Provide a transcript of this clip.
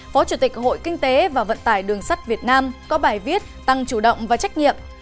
phó chủ tịch hội kinh tế và vận tải đường sắt việt nam có bài viết tăng chủ động và trách nhiệm